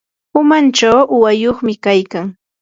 umanchaw uwayuq kaykan.